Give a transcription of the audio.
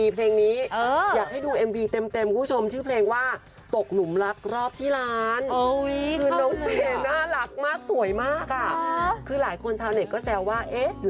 เพราะว่านั่นแหละค่ะใครหลายคนอยากให้บอยมีแฟนนะคะ